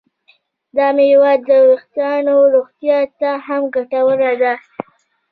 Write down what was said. دا میوه د ویښتانو روغتیا ته هم ګټوره ده.